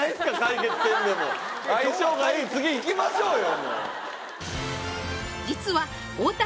その相性がいい次いきましょうよ